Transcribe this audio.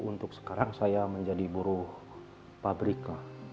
untuk sekarang saya menjadi buruh pabrik